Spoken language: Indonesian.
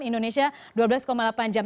indonesia dua belas delapan jam